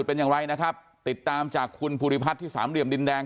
เป็นอย่างไรนะครับติดตามจากคุณภูริพัฒน์ที่สามเหลี่ยมดินแดง